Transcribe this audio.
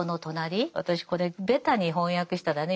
私これベタに翻訳したらね